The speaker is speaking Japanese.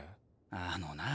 あのなぁ